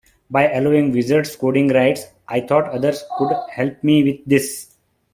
By allowing wizards coding rights, I thought others could help me with this.